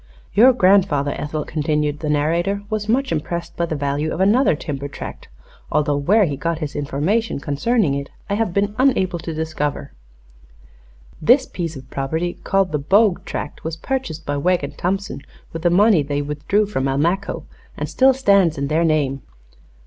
"Your grandfather, Ethel," continued the narrator, "was much impressed by the value of another timber tract, although where he got his information concerning it I have been unable to discover. This piece of property, called the Bogue tract, was purchased by Wegg and Thompson with the money they withdrew from Almaquo, and still stands in their name."